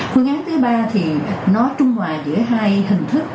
phương án thứ ba thì nó trung hòa giữa hai hình thức